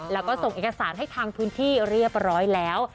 แล้วก็ส่งเอกสารให้ทางพื้นที่เรียบร้อยแล้ว